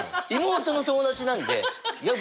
妹の友達なんで。